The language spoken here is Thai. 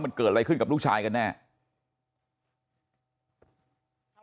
มันเกิดอะไรขึ้นกับลูกชายกันแน่